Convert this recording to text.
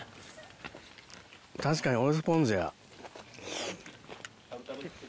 確かにおろしポン酢や。